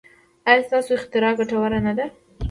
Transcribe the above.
ایا ستاسو اختراع ګټوره نه ده؟